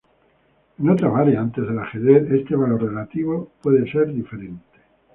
En otras variantes del ajedrez este valor relativo puede ser diferente.